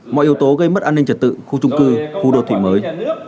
mọi yếu tố gây mất an ninh trật tự khu trung cư khu đô thị mới